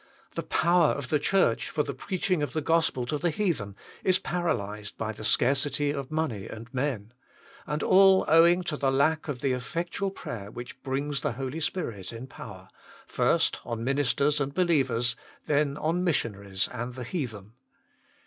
The power of the Church for the preaching of the gospel to the heathen is paralysed by the scarcity of money and men ; and all owing to the lack of the effectual prayer which brings the Holy Spirit in power, first on ministers and believers, then on missionaries and the heathen.